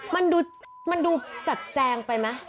มันดูมันดูจัดแจงไปไหม